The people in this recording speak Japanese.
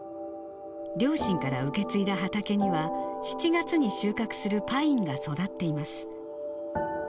両親から受け継いだ畑には、７月に収穫するパインが育っています。